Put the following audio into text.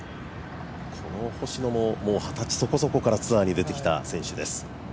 この星野も二十歳そこそこからツアーに出てきた選手です。